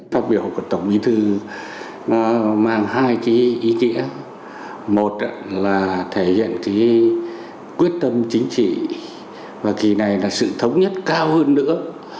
phong biểu của tổng ý thư mang hai ý kĩa một là thể hiện quyết tâm chính trị và kỳ này là sự thống nhất cao hơn nữa